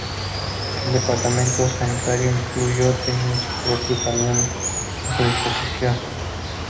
El departamento sanitario incluso tenía su propio camión a su disposición.